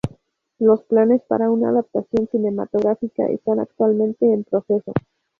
Los planes para una adaptación cinematográfica están actualmente en proceso.